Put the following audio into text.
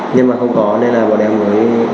nhưng mà không có nên là bọn em mới